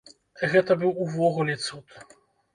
Гэта быў увогуле цуд.